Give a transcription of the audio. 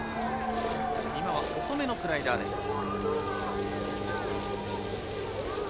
今は遅めのスライダーでした。